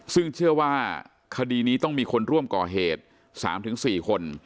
ซึ่งเชื่อว่าคดีนี้ต้องมีคนร่วมก่อเหตุ๓๔คน